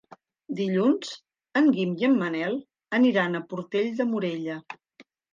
Dilluns en Guim i en Manel aniran a Portell de Morella.